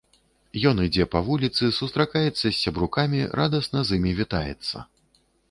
Ён ідзе па вуліцы, сустракаецца з сябрукамі, радасна з імі вітаецца.